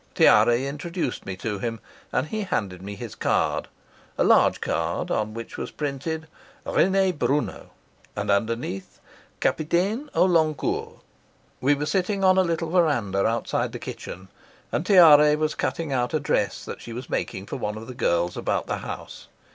Tiare introduced me to him, and he handed me his card, a large card on which was printed , and underneath, We were sitting on a little verandah outside the kitchen, and Tiare was cutting out a dress that she was making for one of the girls about the house.